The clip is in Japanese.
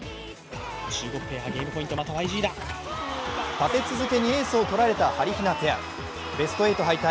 立て続けにエースを取られたはりひなペア、ベスト８敗退。